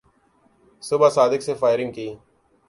صبح صادق سے فائرنگ کی